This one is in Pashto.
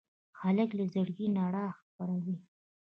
هلک له زړګي رڼا خپروي.